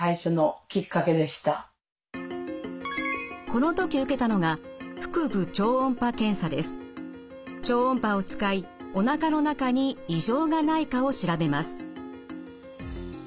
この時受けたのが超音波を使いおなかの中に異常がないかを調べます。